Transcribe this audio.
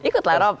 ikut lah rob